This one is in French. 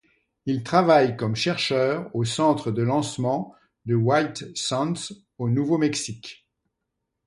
Il travaille comme chercheur au Centre de lancement de White Sands au Nouveau-Mexique.